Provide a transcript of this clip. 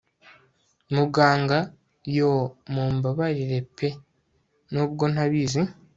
Muganga yoooo Mumbabarire pe nubwo ntabizi